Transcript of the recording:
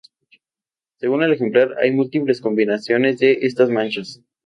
Según el ejemplar, hay múltiples combinaciones de estas manchas.